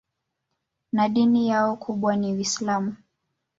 Na dini yao kubwa ni Uislamu